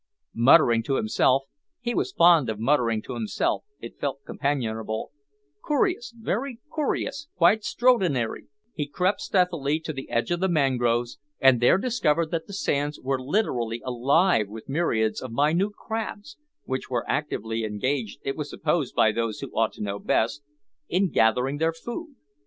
Muttering to himself he was fond of muttering to himself, it felt companionable, "coorious, very coorious, quite 'stroanary," he crept stealthily to the edge of the mangroves, and there discovered that the sands were literally alive with myriads of minute crabs, which were actively engaged it was supposed by those who ought to know best in gathering their food.